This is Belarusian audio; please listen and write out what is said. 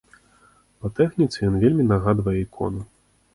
Па тэхніцы ён вельмі нагадвае ікону.